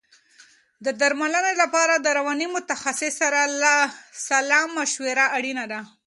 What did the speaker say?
د درملنې لپاره د رواني متخصص سره سلا مشوره اړینه ده.